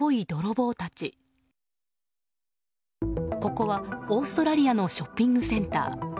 ここはオーストラリアのショッピングセンター。